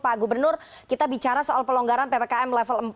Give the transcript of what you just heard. pak gubernur kita bicara soal pelonggaran ppkm level empat